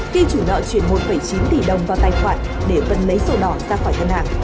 khi chủ nợ chuyển một chín tỷ đồng vào tài khoản để vận lấy sổ đỏ ra khỏi thân hạng